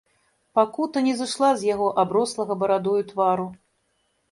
Пакута не зышла з яго аброслага барадою твару.